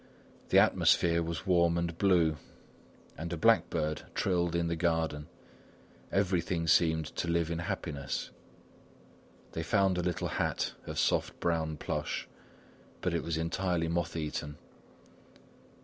The atmosphere was warm and blue, and a blackbird trilled in the garden; everything seemed to live in happiness. They found a little hat of soft brown plush, but it was entirely moth eaten.